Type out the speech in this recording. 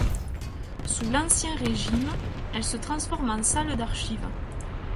Sous l’Ancien Régime, elle se transforme en salle d’archives.